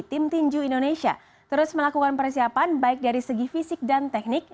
tim tinju indonesia terus melakukan persiapan baik dari segi fisik dan teknik